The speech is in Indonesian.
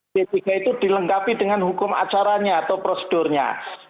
kpk itu dilengkapi dengan hukum acaranya atau prosedurnya